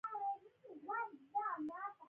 د مغازې ښځینه مالکه ډېره مهربانه وه.